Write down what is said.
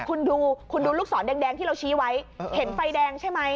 คุณดูคุณดูลูกศรแดงที่เราชี้ไว้เห็นไฟแดงใช่ไหม